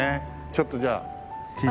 ちょっとじゃあ聞いて。